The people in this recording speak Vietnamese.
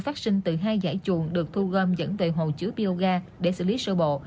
phát sinh từ hai giải chuồng được thu gom dẫn về hồ chứa bioga để xử lý sơ bộ